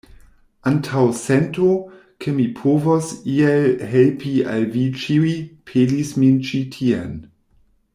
Antaŭsento, ke mi povos iel helpi al vi ĉiuj, pelis min ĉi tien.